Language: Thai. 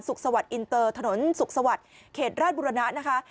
สวัสดิอินเตอร์ถนนสุขสวัสดิ์เขตราชบุรณะนะคะ